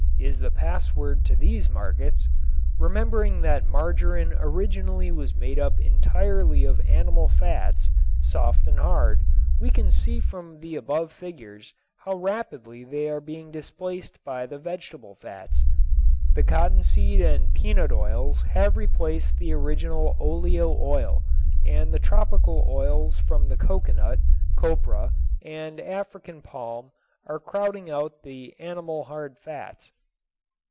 is the password to these markets. Remembering that margarin originally was made up entirely of animal fats, soft and hard, we can see from the above figures how rapidly they are being displaced by the vegetable fats. The cottonseed and peanut oils have replaced the original oleo oil and the tropical oils from the coconut (copra) and African palm are crowding out the animal hard fats.